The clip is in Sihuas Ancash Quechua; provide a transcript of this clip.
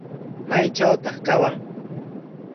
¿Maytrawtaq kawan?